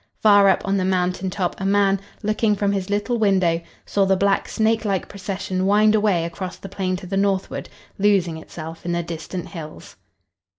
Far up on the mountain top a man, looking from his little window, saw the black, snakelike procession wind away across the plain to the northward, losing itself in the distant hills.